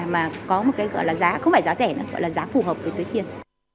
mà có một cái gọi là giá không phải giá rẻ nữa gọi là giá phù hợp với túi tiền